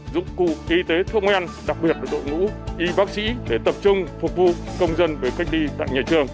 dụng cụ y tế thông nguyên đặc biệt đội ngũ y bác sĩ để tập trung phục vụ công dân với cách đi tại nhà trường